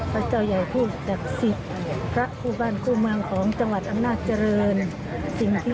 พระเจ้าจะกล่าวทีนี้เป็นความจริง